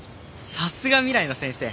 さすが未来の先生！！」。